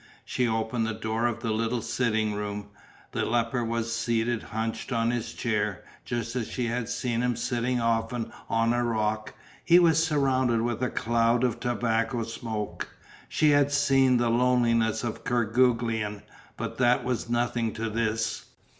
She opened the door of the little sitting room. The leper was seated hunched on his chair just as she had seen him sitting often on a rock; he was surrounded with a cloud of tobacco smoke. She had seen the loneliness of Kerguelen but that was nothing to this.